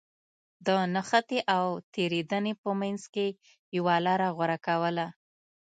د نښتې او تېرېدنې په منځ کې يوه لاره غوره کوله.